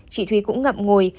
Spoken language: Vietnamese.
chị thúy cũng ngậm ngùi